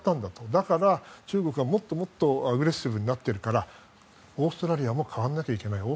だから、中国がもっともっとアグレッシブになってるからオーストラリアも変わらなきゃいけない。